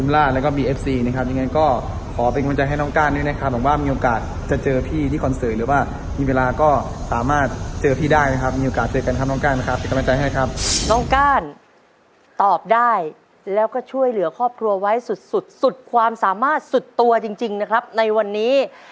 แล้วก็ช่วยเหลือครอบครัวไว้สุดความสามารถสุดตัวจริงนะครับในวันนี้